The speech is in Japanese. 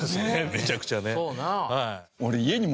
めちゃくちゃね。